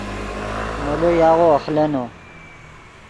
مولو یاغو اخلینو